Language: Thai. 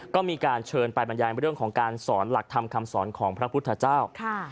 ก็มีการเชิญไปบรรยายเรื่องของการสอนหลักธรรมคำสอนของพระพุทธเจ้า